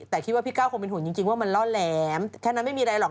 แต่คิดว่าพี่ก้าวคงเป็นห่วงจริงว่ามันล่อแหลมแค่นั้นไม่มีอะไรหรอก